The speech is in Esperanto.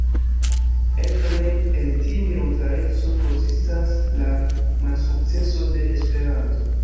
Eble en tiu neŭtraleco konsistas la malsukceso de Esperanto.